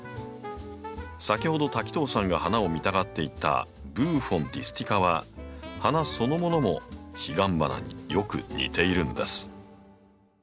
先ほど滝藤さんが花を見たがっていたブーフォン・ディスティカは花そのものもヒガンバナによく似ているんです。